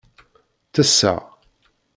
Ttesseɣ.